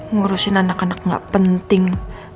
ngurusin anak anak gak penting